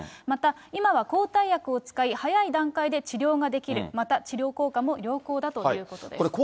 また、今は抗体薬を使い早い段階で治療ができる、また治療効果も良好だということです。